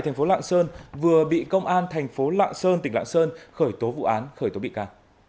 thành phố lạng sơn vừa bị công an thành phố lạng sơn tỉnh lạng sơn khởi tố vụ án khởi tố bị ca